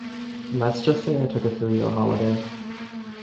Let's just say I took a three-year holiday.